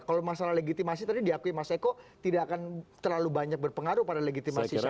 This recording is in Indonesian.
kalau masalah legitimasi tadi diakui mas eko tidak akan terlalu banyak berpengaruh pada legitimasi survei